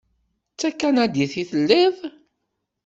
D takanadit i telliḍ?